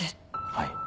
はい。